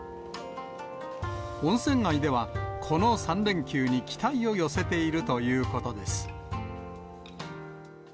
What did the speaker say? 温泉街では、この３連休に期待を寄せているということです。